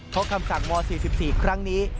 เพราะคำสั่งม๔๔ครั้งนี้